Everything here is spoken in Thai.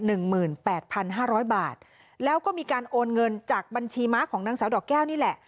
หนึ่งหมื่นแปดพันห้าร้อยบาทแล้วก็มีการโอนเงินจากบัญชีม้าของนางสาวดอกแก้วนี่แหละ